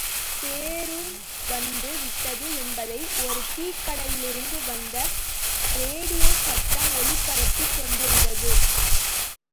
பேருரும் வந்து விட்டது என்பதை ஒரு டீக்கடையிலிருந்து வந்த ரேடியோ சத்தம் ஒலிபரப்பிக் கொண்டிருந்தது.